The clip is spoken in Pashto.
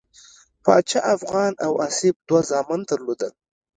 پاچا افغان او آصف دوه زامن درلودل.